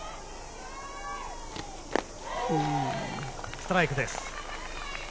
ストライクです。